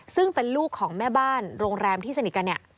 ซึ่งเป็นลูกของแม่บ้านโรงแรมที่สนิทกันเนี่ย